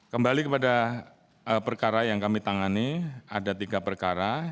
kembali kepada perkara yang kami tangani ada tiga perkara